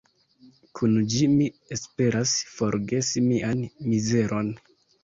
Kun ĝi mi esperas forgesi mian mizeron.